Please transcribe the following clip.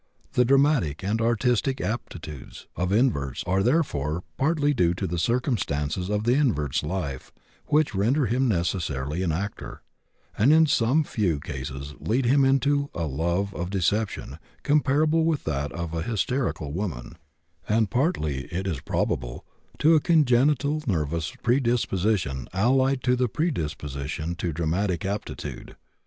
The dramatic and artistic aptitudes of inverts are, therefore, partly due to the circumstances of the invert's life, which render him necessarily an actor, and in some few cases lead him into a love of deception comparable with that of a hysterical woman, and partly, it is probable, to a congenital nervous predisposition allied to the predisposition to dramatic aptitude.